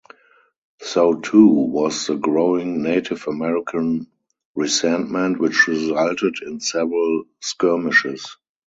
So too was the growing Native American resentment, which resulted in several skirmishes.